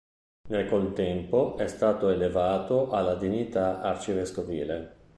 Nel contempo è stato elevato alla dignità arcivescovile.